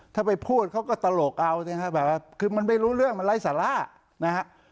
ถ้าไปพูดเขาก็ตลกเอาสิครับแบบว่าคือมันไม่รู้เรื่องมันไร้สาระนะฮะ